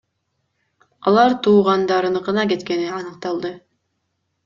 Алар туугандарыныкына кеткени аныкталды.